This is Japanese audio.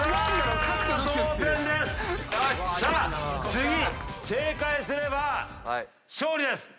次正解すれば勝利です。